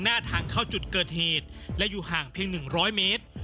หน้าทางเข้าจุดเกิดเหตุและอยู่ห่างเพียง๑๐๐เมตร